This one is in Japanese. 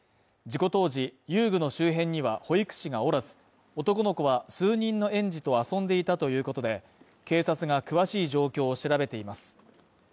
事故当時、遊具の周辺には、保育士がおらず、男の子は数人の園児と遊んでいたということで警察が詳しい状況を調べています。